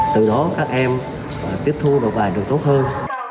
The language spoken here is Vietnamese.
từ đó các em tiếp thu được bài được tốt hơn